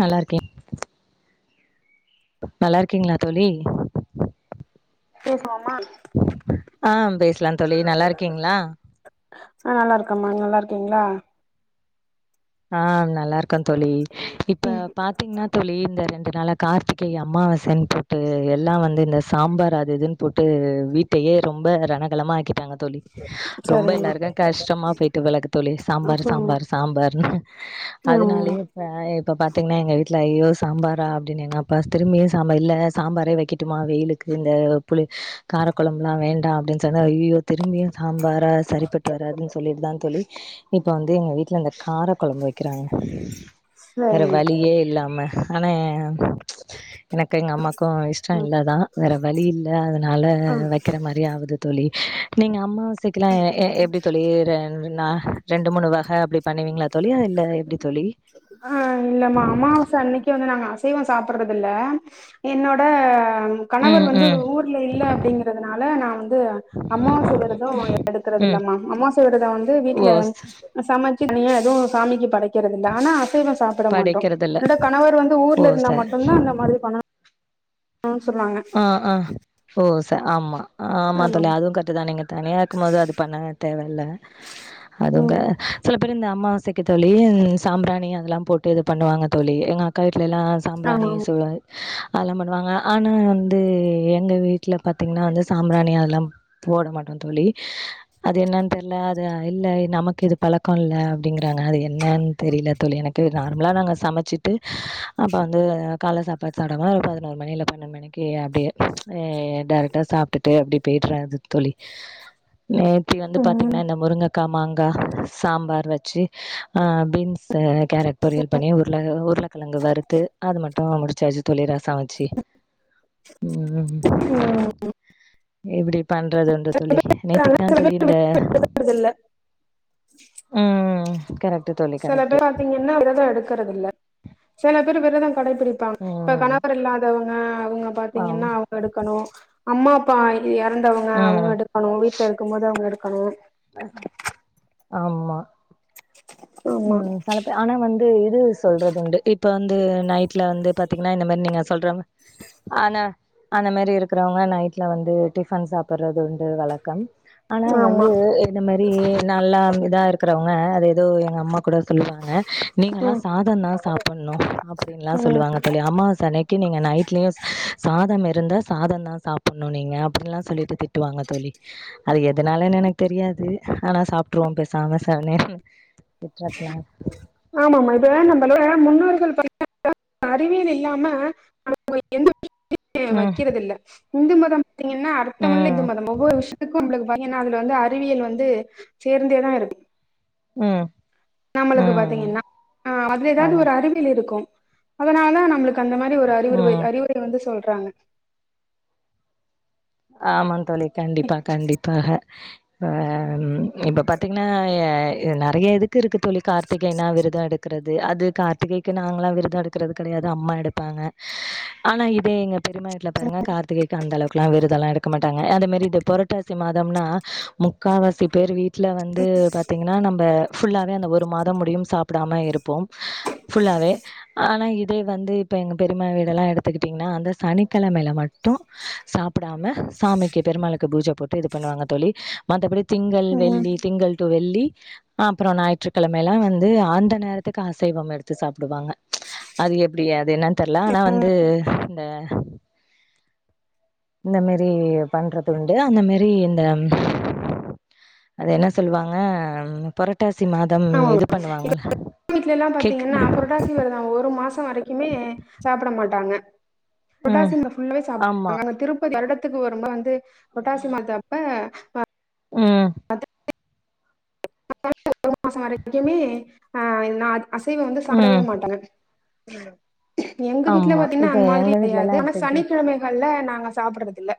நல்லாருக்கே நல்லாருக்கீங்ளா தோழி [inaudible] ஆ பேசலா தோழி நல்லாருக்கீங்ளா ஆ நல்லா இருக்கம்மா நல்லா இருக்கீங்களா ஆ ந நல்லாருக்கோ தோழி இப்ப ம் பாத்தீங்னா தோழி இந்த ரெண்டு தனால கார்த்திகை அம்மாவாசைன் போட்டு எல்லா வந்து இந்த சாம்பார் அது இதுன்னு போட்டு வீட்டயே ரொம்ப ரணகலமாக ஆக்கி டாங்க தோழி ரொம்ப சரிங்கம்மா எல்லாருக்கு கஷ்டமா போயிட்டு [unintelligible] தோழி சாம்பார் சாம்பார் ஆமாம்மா சாம்பார் ஆமாம்மா அதனாலயே இப்ப இப்ப பாத்தீங்னா எங்க வீட்ல ஐயோ சாம்பாரா அப்டின் எங்கப்பா திரும்பியு சாம்பா இல்ல சாம்பாரே வக்கட்டுமா வெயிலுக்கு இந்த புளி ஆ காரக்கொழம்புலா வேண்டா அப்படின் சொன்ன ஐயயோ திரும்பியு சாம்பாரா சரிப்பட்டு வராதுன் சொல்லிட்டு தா தோழி இப்ப வந்து எங்க வீட்ல கார கொழம்பு வைக்கிறாங்க வேற சரிம்மா சரி வழியே இல்லாம ஆனா எனக்கு எங்க அம்மாக்கு இஷ்டொ ம் இல்ல தா வேறு வழி இல்ல அதனால ஆ வைக்கிற மாரி ஆவுது தோழி நீங்க அம்மா சிக்கலாம் எப்படி தோழி றேன்னா ரெண்டு மூணு வக அப்படி பண்ணுவீங்களா தோழி இல்ல எப்டி தோழி ஆஹ் இல்லம்மா அமாவாச அன்னைக்கு வந்து நாங்க அசைவம் சாப்பிடறது இல என்னோட கணவர் ம் வந்து ம் ஊர்ல இல்ல அப்படிங்கறிறதுனால நா வந்து அமாவாச விரதம் எடுக்கறிறது ம் இலாமமா அமாவசை விரதம் வந்து ஓ வீட்டுல சமைச்சு எதுவும் சாமிக்கு கக்கிறது ஆனா அசைவம் சாப்பிட மாட்டோம் படிக்கிறதில்ல எனோட கணவர் வந்து ஓ ஊர்ல இருந்தா சரி மட்டும்தா அந்த மாரி பண்ண ஆஹ் ஆஹ் ஓ ச ஆமா ஆ ஆமா தோழி ஆமாம் அதுவும் கட்டு தா நீங்க தனியா இருக்கும் போது அது பண்ண தேவை அல்ல அதுங்க ம் சில அப்புற இந்த அம்மாவசைக்க தோழி சாம்ராணி அதெல்லாம் போட்டு இது பண்ணுவாங்க தோழி எங்க அக்கா ட்டுலாம் சாம்பிராணி ஆமாம் சூ ஆளன பண்ணுவாங்க ஆனா வந்து எங்க வீட்டுல பாத்தீங்கன்னா வந்து சாம்பிராணி அதெல்லாம் போட மாட்டோம் தோழி அது என்னன்னு தெரியல அது இல்ல நமக்கு இது பழக்கம் இல்ல அப்படிங்கறாங்க அது என்னன்னு தெரியல தோழி எனக்கு நார்மலா நாங்க சமைச்சிட்டு அப்ப வந்து கால்ல சாப்பாடு சாப்ட பதினோரு மணி இல்ல பன்னொ மணி யே அப்படியே ஹ் டேரக்டா சாப்பிட்டுட்டு அப்படி போயடுறேது தோழி நேத்தி வந்து ம் பாத்தீங்கன்னா இந்த முருங்க கா. மாங்கா சாம்பார் வச்சு பீன்ஸ கேரட் பொரியல் பண்ணி உருளை உருளைக்கிழுங்குவறுத்து அது மட்டும் ஆ முடிச்சாச்சு தோழி ரா சாட்சி உம் ம், எப்படி பண்றதுண்டு தோழி ஆனா நேத்துக்த் தா சில தோழி பேர் இந்த விடுறது இல்ல உம் கரெக்ட் தோழி சில கரெக்ட் பேர் பாத்தீங்கன்னா விரதம் எடுக்கறத இல்ல சில பேர் விரதம் கடைபிடிப்பாங்க இப்ப ம் கணவர் இல்லாதவங்க அவங்க ஆம் பாத்தீங்கன்னா அவங்க எடுக்கணும் அம்மா அப்பா இறந்தவங்க அவங்க ம் எடுக்கணும் வீட்டுல இருக்கும்போது அவங்க எடுக் ஹலோ ஆமா உம் ஆனா வந்து இது சொல்றது உண்டு இப்ப வந்து நைட்ல வந்து பாத்தீங்க மா நீ சொல்ற ஆன அந்த மாரி இருக்கரவங்க நைட்ல வந்து டிஃபன் சாப்படுறது உண்டு வழக்கம் ஆனா ஆமா வந்து இந்த மாரி நல்லா இருந்ததா இரு இருக்கறவங்க அது ஏதோ ஆமா கூட சொல்லுவாங்க நீங்கல்லாம் ம் சாதம் தான் சாப்பிடணும் அப்படின்லாம் சொல்லுவாங்க தோழி அம்மாவாச அன்னைக்கு நீங்க நைட்லயும் சாதம் இருந்தா சாதம் தான் சாப்பிடணும் நீங்க அப்படின்னுல்லாம் சொல்லிட்டு திட்டுவாங்க தோழி அது எதுனால எனக்கு தெரியாது ஆனா சாப்பிட்ருவோம் பேசாம செவனேனு ஆமா ஆமா இதுவே நம்பலே முன்னூறு கள் பண்ண அறிவியல் இல்லாம அவங்க எந்த [unintelligible] ம் வக்கறதில்ல இந்து மதம் கேடிங்கன்னா அர்த்தம் உள்ள ம் இது ஒவ்வொரு விஷயத்துக்கும் ஊழல் ஏன்னா அதுல வந்து அறிவியல் வந்து சேர்ந்தேதான் இருக்கு உம் நம்மளுக்கு பாத்தீங்கன்னா ஆஹ் அதுல ஏதாவது ஆமா ஒரு அறிவியல் இருக்கும் அதனால நம்ளுக்கு அந்த மாரி ஒரு அறிவு உறை ம் அறிவுரை வந்து சொல் ருக்காங்க ஆமா தோழி கண்டிப்பா கண்டிப்பாக ஹ இப்ப பாத்தீங்கன்னா நிறைய இது இருக்கு தோழி கார்த்திகைனா விரதம் எடுத்து எடுக்கறது அது கார்த்திகைக்கு நாங்லாம் விரதம் எடுக்கிறது கிடையாது அம்மா எடுப்பாங்க ஆனா இதே எங்க பெரிமா வீட்டுல பாருங்க கார்த்திகைக்கு அந்த அளவுக்குல்லாம் விர அதல்லா எடுக்க மாட்டாங்க அதே மாரி பொரட்டாசி மாதம்னா முக்காவாசி பேர் வீட் வீட்ல வந்து பாத்தீங்கன்னா நம்ப ஃபுல்லாவே அந்த ஒரு மாதம் முடியும் சாப்டாம இருப் போம் ஃபுல்லாவே ஆனா இதே வந்து இப்ப எங்க பெரிமா வீடெல்லா எடுத்துக்கிட்டிங்கன்னா அந்த சனிக்கிழமயில மட்டு சாப் ப்புடாம சாமிக்கு பெருமாளுக்கு பூஜ போட்டு இது பண்ணுவாங்க தோழி மத்தபடி திங்கள் ம் வெள்ளி திங்கள் டு வெள்ளி அப்பற ஞாயிற்றுக்கிழமலா வந்து அந்த நேரத்துக்கு அசைவம் எடுத்து சாப்டுவாங்க அது எப்புடி அது என்ன தெர்ல ஆனா வந்து இந்த இந்த மாரி பண்றதுக்ண்டுலா அந்த மாரி இந்த அது என்ன சொல்லுவாங்க புரட்டாசி மாதம் ஆ இது எங்க பண்ணுவாங்கல்ல [inaudible] வீட்ல எல்லா கேக்கு பாத்தீங்கன்னா புரட்டாசி வெரதோ ஒரு மாச வரைக்குமே சாப்ட மாட்டாங்க ம் புரட்டாசி மாசம் ஃபுல்லாவே சாப் ஆமா ங்க அங்க திருப்பதி வருட த்துக்கு ஒரு மு வந்து புரட்டாசி மாச அப்ப ம் [inaudible] மாசம் வரைக்குமே ஆ நா அது அசைவோ வந்து சாப்டவே ம் மாட்டாங்க எங்க வீட்ல ஆமா பாத்திங்ன்னா இப்ப அந்த மாதிரி எங்க கெடையாது வீட்லலாம் அனா எடுத்துக்கிட்டீங் சனிக்கிழமைகள்ல அங்க சாப்படுறதுகில்ல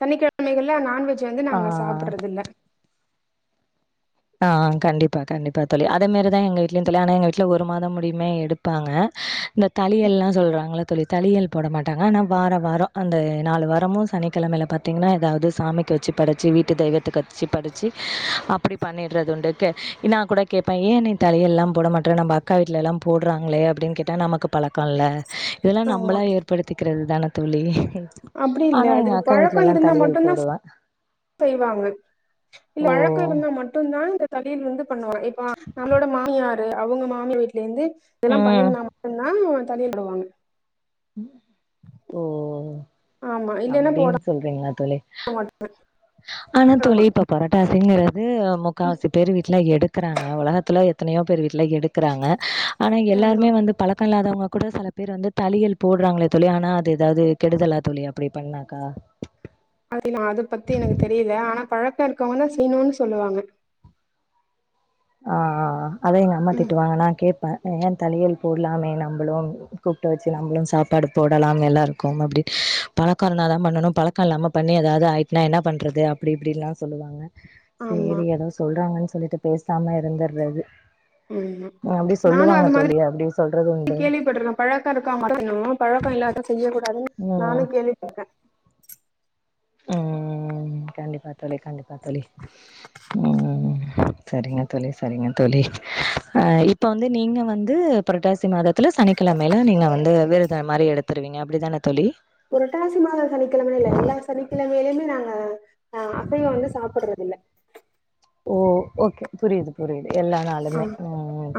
சனிக்கிழமைகள்ல நான்வெ ஜ் வந்து நாங்க ஆ சாப்படறது இல்ல ஆ கண்டிப்பா கண்டிப்பா தோழி அதே மாரி தா எங்க வீட்லந்தோழி ஆனா எங்க வீட்ல ஒரு மாதம் முடியுமே எடுப்பாங்க இந்த தாளிகள்லா சொல்றாங்கள தோழி தளியல் போட மாட்டாங்க ஆனா வாரோ வாரோ அந்த நாலு வாரமு சனிக்கெழமைல பாத்திங்கன்னா எதாவது சாமிக்கு வச்சி படச்சி வீட்டு தெய்வத்துக்கு வச்சி படச்சி அப்டி பண்ணிட்றது உண்டு கே நா குட கேப்பே ஏ நீ தாளியெல்லா போட மாட்ற நம்ப அக்கா வீட்லலா போட்றாங்களே அப்டின்னு கேட்டா நமக்கு பழக்கோ இல்ல இதுலா ஆமா நம்ளே ஏற்படுத்திக்கிறது தானே தோழி அப்டி இல்ல ஆனா அது எங்க அக்கா பழக்கோ வீட்லலாம் இருந்தா மட்டு தழியல் தா போடுவேன். செய்வாங்க இல்ல ஓ! வழக்கோ இருந்தா மட் மட்டும்தா இந்த தளியல் வந்து பண்ணுவோ ஆ நம்பளோட மாமியார் அவுங்க மாமியார் வீட் லேந்து இதல்லா ம். பண்ணிருந்தா மட்டுந்தா தண்ணி விடுவாங்க ஓ ஆமா இல்லனா போட அப்டின்னு சொல்றீங்களா தோழி ஆனா தோழி ஆமா இப்ப பரோட்டாசிங்க து ம், முக்காவசி பேர் வீட்டுல எடுக்கறாங்க உலகத்துல எத்தனையோ பேர் வீட்டுல எடுக்கறாங்க ஆனா ஆமா எல்லாருமே வந்து பலக்கோ இல்லாதவங்க கூட சில பேர் வந்து தளியல் போடுறாங்களே தோழி ஆனா அது ஏதாது கெடுதலா தோழி அப்டி பண்ணாக்கா இல்ல அது பத்தி எனக்கு தெரில ஆனா பழ க்கம் இருக்கங்கன்னா செய்யணு சொல்லுவாங்க ஹா ஆ அதா எங்க அம்மா ம் திட்டு வாங்க நா கேப்ப ஏன் தலியல் போட்லாமே நம்பளு கூப்டு வெச்சு நம்மளு சாப்பாடு போடலாம் எல்லாருக்கோ அப்டினு பலோக்கோ இருந்தா தா பண்ணனோ பலக்கோ இல்லாம பண்ணி எதாவது ஆயிட்னா என்ன பண்றது அப்டி இப்டி லா சொல்லுவாங்க ஆமா சேரி ஏதோ சொல்றாங்கன்னு சொல்லிட்டு பேசாம இருந்துட்றது ம் ம் நானு அது மாரி அப்டி சொல்றது உண்டு கேள்விப்பட்டிக்கற பழக்கோ இருக்கவங்கோ மட்டோ பன்னோ பழக்கோ இல்லாதவங்க செய்யக் கூடாதுன்னு ம் நானு கேள்விப்பட்டிருக்க உஹம் கண்டிப்பா தோழி கண்டிப்பா பா தோழி ம் சரிங்க தோழி சரிங்க தோழி ஆஹ் இப்ப வந்து நீங்க வந்து புரட்டாசி மாதோ தில சனிக்கிழமையில நீங்க வந்து விரதோ மாரி எடுத்திருவீங்க அப்டித்தானே புரட்டாசிமாத சனிக்கெழம இல்ல எல்லா சனிக்க கிழமையிலையுமே நாங்க ஆஹ் அப்பயோ வந்து சாப்பட்றது இல்ல ஓ ஓகே புரியிது ஹா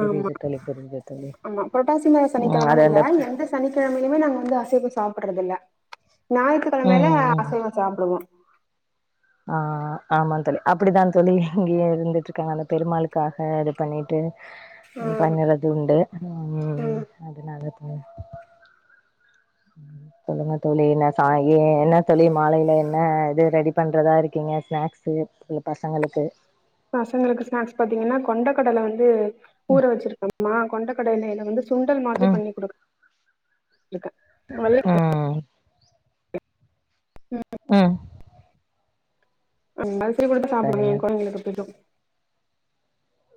ஆமா தோழி புரியுது தோழி ஆமா புரட்டாசி மாச ம் அது சனிக்கிழமன்னு இல்ல அந்த எந்த சனிக்கிழமையிலுமே நாங்க வந்து அசைய்வோ சாப்ப போட்றதில்ல ம் ஞாற்றுக்கிழமையில ம் அசைவோ சாப்புடுவோ ஆ ஆமா தோழி அப்டிதா தோழி இங்கியு இருந்துட்டு இருக்காங்க அந்த பெருமாளுக்காக இது பண்ணிட்டு ம் பண்ணுறது உண்டு உம் ம் அதனால ம் சொல்லுங்க தோழி என்ன சாய் ஏ என்ன தோழி மாலையில என்ன இது ரெடி பண்றதா இருக்கீங்க ஸ்நாக்ஸ்சு இந்த பசங்களுக்கு பசங்களுக்கு ஸ்நாக்ஸ் பாத்தீங்கன்னா கொண்டக்கடல வந்து ம் ஊற வெச்சிருக்கோமா கொண்டக்கடலையில வந்து சுண்டல் மாரி ம் பண்ணி கொடுக்க இருக்கே நல்ல [unintelligible] ம் ம் [unintelligible] [unintelligible] சாப்பிடுவே சரிங்க எங்க கொழதைங்களுக்கு பிடிக்கோ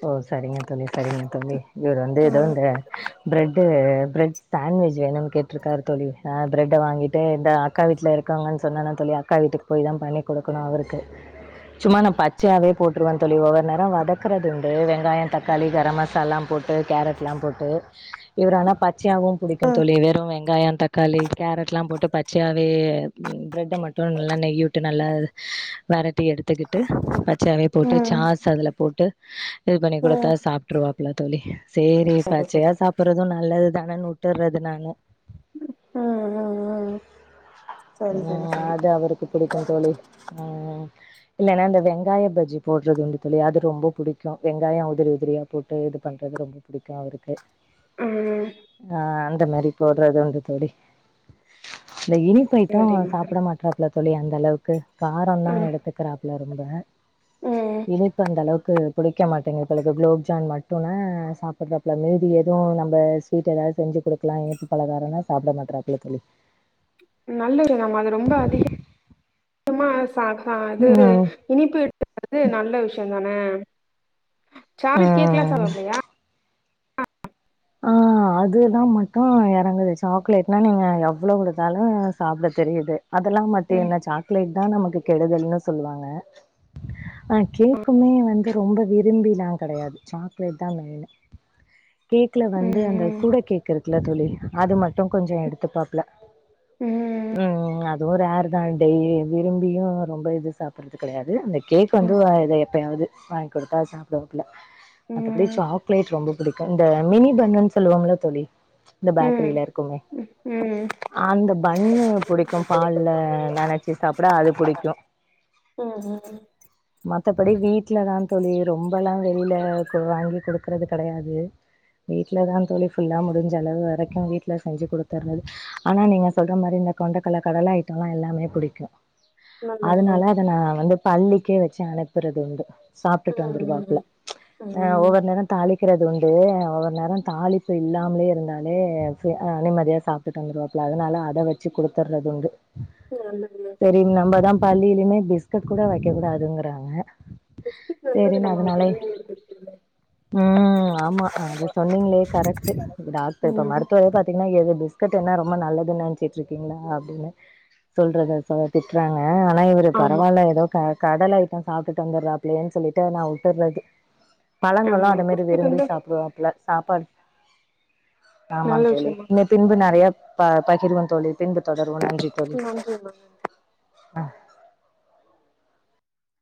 ஓ சரிங்க தோழி சரிங்க தோழி இவரு வந்து ஏதோ ம் இந்த பிரட்டு பிரட் சாண்ட்விச் வேணு கேட்டிருக்காரு தோழி அ பிரட் வாங்கிட்டு இந்த அக்கா வீட்ல இருக்காங்க சொன்னே இல்ல தோழி அக்கா வீட்டுக்கு போய் தா பண்ணி கொடுக்கணு அவருக்கு சும்மா நா பச்சையாவே போட்டுருவே தோழி ஒவ்வொரு நேரோ வதக்குறது உண்டு வெங்காயோ தக்காளி கரம் மசாலல்லா போட்டு கேரட் எல்லா போட்டு இவரு ஆனா பச்ச சாயாவு புடிக்கும் தோழி வெறு வெங்காயோ தக் தக்காளி கேரட்லா போட்டு பச்சையாவே ப்ரட்ட மட்டோ நல்லா நெயி விட்டு நல்லா வேற தட்டி எடுத்துக்கிட்டு பச்சையாவே போட்டு ம் சாஸ் அதல போட்டு இது பண்ணி கொடுத்தா ம். சாப்ருவார் இல்ல தோழி சேரி சரி சரி பச்சையா சாப்பிடறது நல்லது தான உட்டறது நானு ம் ம் ம் சரி சரி ம் சரி அதான் அவருக்கு புடிக்கும் தோழி ம் இல்லன்னா இந்த வெங்காய பஜ்ஜி போடுறது உண்டு தோழி அது ரொம்ப புடிக்கும் வெங்காயம் உதிரி உதிரியா போட்டு இது பண்றது ரொம்ப புடிக்கும் அவருக்கு ம் இந்த மாரி போடுறது உண்டு தோழி இல்ல இனிப்பு ஐட்டும் சரிம்மா சரி சாப்பிட மாற்றாப்புல தோழி அந்த அளவுக்கு கார எல்லா ம் எடுத்துக்கிறாப்புல எந்த ம் இனிப்பு அந்த அளவுக் கு புடிக்க மாட்டேங்குது தோழி ப்ப குலோப்ஜான் மட்டுன சாப்பிடறாப்புல மீதி எதுவு நம்ம ஸ்வீட் ஏதாது செஞ்சு குடுக்கலா இனிப்பு பலகாரனா சாப்ட மாட்றாப்புல தோழி நல்லது நம்ம அது ரொம்ப அதிக மா பா கா அது ம் இனிப்பு எடுத்துக்காதது நல்ல விஷயந்தான சாக்லேட் கேக் எல்லா ம் சாப்டுவாப்லயா ஆ அதுதா மட்டு எறங்குது சாக்லேட்னா நீங்க எவ்ள குடுத்தாலு சாப்ட தெரியுது அதெல்லா மட்டு ம் என்ன சாக்லேட் தா நமக்கு கெடுதல்னு சொல்லுவாங்க ஆனா கேக்குமே வந்து ரொம்ப விரும்பிலா கெடையாது சாக்லேட்தா மெய்னு கேக் ல வந்து அந்த ம் ஃபுடி கேக் இருக்குல்ல தோழி அது மட்டு கொஞ்ச எடுத்துப்பாப்ல ம் ம் அதுவு ரேர்தா டெய்லி விரும்பியு ரொம்ப இது சாப்படறது கெடையாது அந்த கேக் வந்து ம் ஆ இதய எப்பயாது வாங்கி குடுத்தா சாப்டுவாப்ல மத்தபடி ம் ம் சாக்லேட் ரொம்ப புடிக்கு இந்த டீ பண்ணுன்னு சொல்லுவாங்கள்ல தோழி இந்த ம் பேக்கரில இருக்குமே ம் அந்த பண்ணு புடிக்கும் பால்ல நினைச்சு சாப்பிட அது பிடிக்கும் ம் ம் மத் தபடி வீட்டலதா தோழி ரொம்பல்லாம் வெளியில வாங்கி குடுக்கறது கிடையாது வீட்லதா தோழி ஃபுல்லா முடிஞ்ச அளவு வரைக்கும் வீட்டுல செஞ்சு கொடுத்துர்றது ஆனா நீங்க சொல்ற மாரி இந்த கொண்டைக்கடல கடல ஐட்டம்ல்லாம் எல்லாமே பிடிக்கும் நல்லதுமா அதனால அத நா வந்து பள்ளிக்கே வச்சு அனுப்புறது உண்டு சாப்பிட்டுட்டு ம் வந்துருவாப்புல ம் ம் அஹ் ம் ஒவ்வொரு நேரோ தாளிக் வைக்கிறது உண்டு அவர் ந்நேரம் தாளிப்பு இல்லாமலே இருந்தாலே சே நிம்மதியா சாப்டுட்டு வந்துருவாப்புல அதனால அத வச்சு குடுத்துடுறது உண்டு உம் வந்தது இல்லை சரி நம்மதா பள்ளியிலயுமே பிஸ்கட் கூட வைக்கக் கூடாதுங்கிறாங்க பிஸ்கெட் நல்லது சேரினு நம்ம அதனாலலே குழந்தைங்களுக்கு குடுக்கறது உம் ஆமா அதை சொன்னீங்களே கரெக்ட்டு டாக்டர் இப்ப ம் மருத்துவரே பாார்த்தீங்கன்னா எது பிஸ் இருக்கட்டு என்ன ரொம்ப நல்லதுன்னு நினைச்சிட்டு இருக்கீங்களா அப்படின்னு சொல்றத சோ திட்றாங்க அஹ் ஆனா இவரு ஆமா பரவாயில்ல ஏதோ கே கடல் ஐட்டம் சாப்ட்டுட்டு வந்துடுறாப்புலேயேனு அப்படின்னு சொல்லிட்டு நா விட்டுடுறது பழங்களு ஆமா அத மாரி பிஸ்கெட் விரும்பி வந்து சாப்பிடுவாப்புல சாப்பாடு நல்ல ஆமாங்க தோழி விஷயமா இன்னு பின்பு நறையா பாப் பகிருவ தோழி பின்பு தொடருவோ நன்றி தோழி நன்றிமா அஹ்